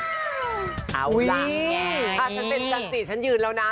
เอาล่ะถ้าสติฉันยืนแล้วนะ